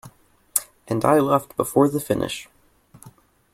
And I left before the finish.